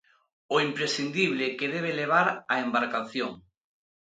O imprescindible que debe levar a embarcación.